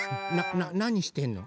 なにしてんの？